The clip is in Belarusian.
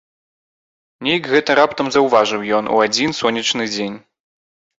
Нейк гэта раптам заўважыў ён, у адзін сонечны дзень.